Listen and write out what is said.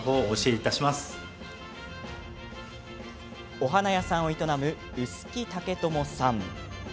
お花屋さんを営む、薄木健友さん。